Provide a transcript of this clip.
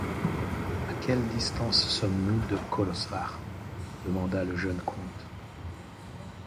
À quelle distance sommes-nous de Kolosvar? demanda le jeune comte.